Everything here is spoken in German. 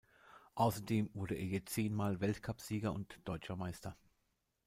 Außerdem wurde er je zehnmal Weltcup-Sieger und deutscher Meister.